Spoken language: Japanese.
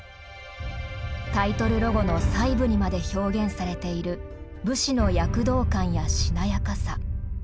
タイトルロゴの細部にまで表現されている武士の躍動感やしなやかさ。